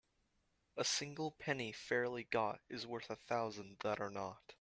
A single penny fairly got is worth a thousand that are not.